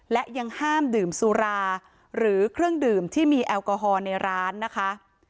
และยังห้ามดื่มสุราหรือเครื่องดื่มที่มีแอลกอฮอล์ในร้านนะคะ